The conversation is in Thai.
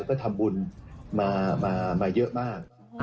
ก็ทำบุญมาเยอะมาก